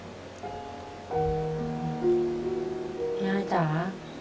พี่อ้ายจ๋า